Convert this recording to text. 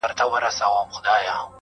نو د افغانستان خلک بايد